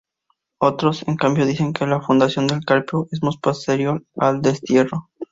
Otros, en cambio, dicen que la fundación del Carpio es muy posterior al destierro.